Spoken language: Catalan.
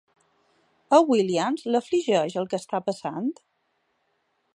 A Williams l'afligeix el que està passant?